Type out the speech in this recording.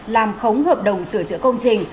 làm khống hợp đồng sửa chữa công trình